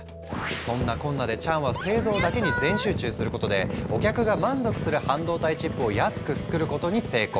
そんなこんなでチャンは製造だけに全集中することでお客が満足する半導体チップを安く作ることに成功。